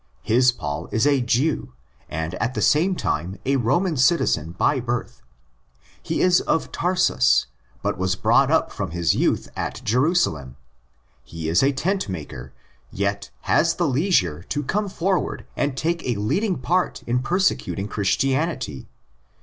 His Paul is a. Jew, and at the same time a Roman citizen by birth. He is of Tarsus, but was brought up from his youth at Jerusalem. He is a tentmaker, yet has the leisure. to come forward and take a leading part in persecuting Christianity.